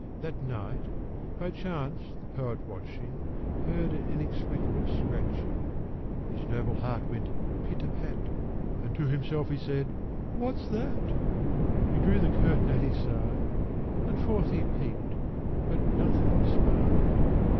That night, by chance, the poet watching, Heard an inexplicable scratching; His noble heart went pit a pat, And to himself he said "What's that?" He drew the curtain at his side, And forth he peep'd, but nothing spied.